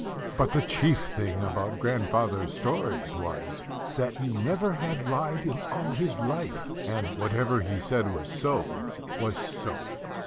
But the chief thing about grandfather's stories was, that he never had lied in all his life; and whatever he said was so, was so.